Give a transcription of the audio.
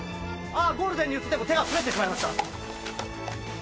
ゴールデンに移っても手が滑ってしまいました。